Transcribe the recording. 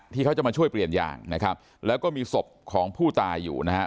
เขาจะมาช่วยเปลี่ยนยางนะครับแล้วก็มีศพของผู้ตายอยู่นะฮะ